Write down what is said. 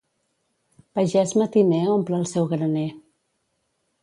Pagès matiner omple el seu graner.